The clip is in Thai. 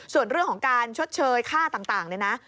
ส่วนเรื่องของการชดเชยค่าต่างเนี่ยนะ